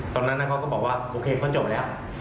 ตอนนั้นเขาก็บอกว่าโอเคเขาจบแล้ว